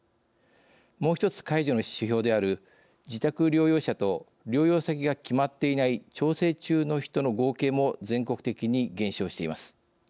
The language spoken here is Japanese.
もうひとつ解除の指標である自宅療養者と療養先が決まっていない調整中の人の合計も全国的に減少しています。